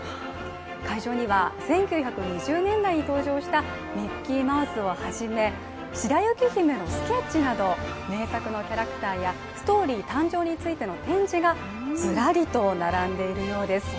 会場には１９２０年代に登場したミッキーマウスをはじめ、白雪姫のスケッチなど名作のキャラクターやストーリー誕生についての展示がずらりと並んでいるようです。